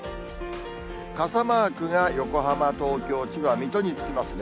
傘マークが横浜、東京、千葉、水戸につきますね。